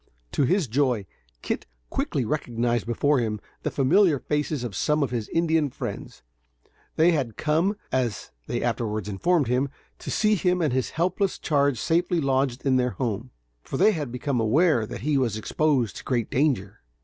To his joy, Kit quickly recognized before him, the familiar faces of some of his Indian friends. They had come, as they afterwards informed him, to see him and his helpless charge safely lodged in their home, for they had become aware that he was exposed to great danger.